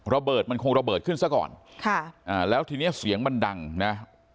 ระเบิดมันคงระเบิดขึ้นซะก่อนค่ะอ่าแล้วทีเนี้ยเสียงมันดังนะ